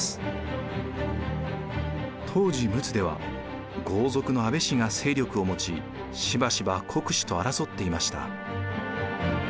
当時陸奥では豪族の安倍氏が勢力を持ちしばしば国司と争っていました。